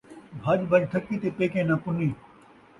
بھڄ بھڄ تھکی تے پیکیں نہ پُنی